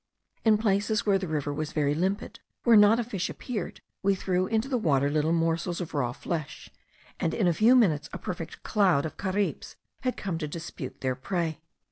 In places where the river was very limpid, where not a fish appeared, we threw into the water little morsels of raw flesh, and in a few minutes a perfect cloud of caribes had come to dispute their prey.